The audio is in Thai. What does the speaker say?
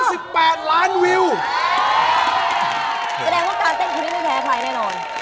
แสดงว่าการเต้นคลิปไม่แท้ภัยแน่นอน